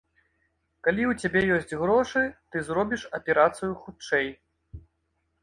Калі ў цябе ёсць грошы, ты зробіш аперацыю хутчэй.